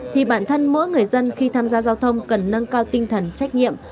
thì bản thân mỗi người dân khi tham gia giao thông cần nâng cao tinh thần trách nhiệm